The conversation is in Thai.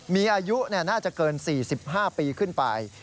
มีอายุน่าจะเกิน๔๕ปีขึ้นไป